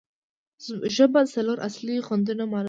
ژبه څلور اصلي خوندونه معلوموي.